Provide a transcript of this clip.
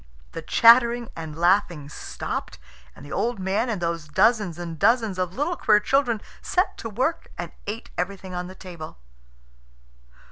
The chattering and laughing stopped, and the old man and those dozens and dozens of little queer children set to work and ate everything on the table.